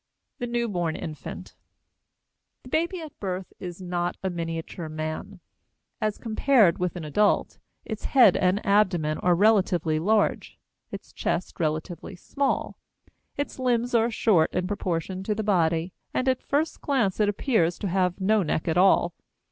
THE NEWBORN INFANT. The baby at birth is not a miniature man. As compared with an adult its head and abdomen are relatively large, its chest relatively small; its limbs are short in proportion to the body; and at first glance it appears to have no neck at all.